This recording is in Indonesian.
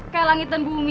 kayak langit dan bumi